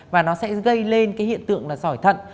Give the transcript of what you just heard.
và nó sẽ gây lên hiện tượng sỏi thận